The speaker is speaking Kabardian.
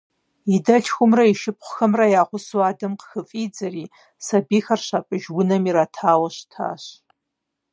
И дэлъхумрэ и шыпхъухэмрэ я гъусэу адэм къыхыфӀидзэри, сабийхэр щапӀыж унэм иратауэ щытащ.